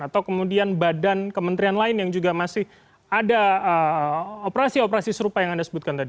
atau kemudian badan kementerian lain yang juga masih ada operasi operasi serupa yang anda sebutkan tadi